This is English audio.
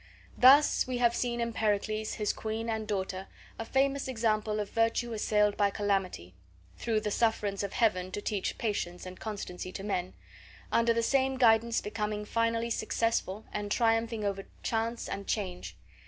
Thus have we seen in Pericles, his queen, and daughter, a famous example of virtue assailed by calamity (through the sufferance of Heaven, to teach patience and constancy to men), under the same guidance becoming finally successful and triumphing over chance and change.